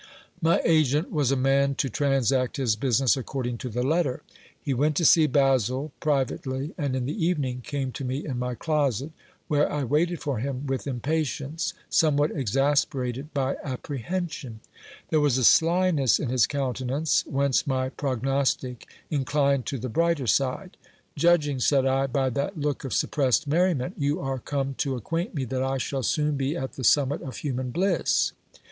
My agent was a man to transact his business according to the letter. He went to see Basil privately, and in the evening came to me i*t my closet, where I waited for him with impatience, somewhat exasperated by apprehension. There was a slyness in his countenance, whence my prognostic inclined to the 358 GIL BLAS. brighter side. Judging, said I, by that look of suppressed merriment, you are come to acquaint me that I shall soon be at the summit of human bliss.